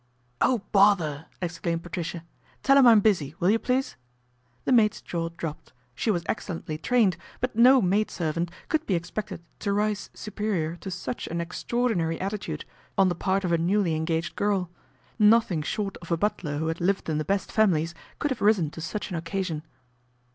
"Oh bother!" exclaimed Patricia. "Tell him I'm busy, will you please?" The maid's jaw dropped; she was excellently trained, but no maid servant could be expected to rise superior to such an extraordinary attitude on the part of a newly engaged girl. Nothing short of a butler who had lived in the best families could have risen to such an occasion.